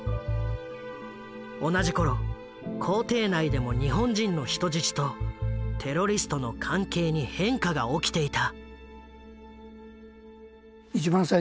同じ頃公邸内でも日本人の人質とテロリストの関係に変化が起きていた。